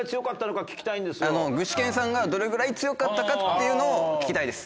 具志堅さんがどれぐらい強かったかっていうのを聞きたいです。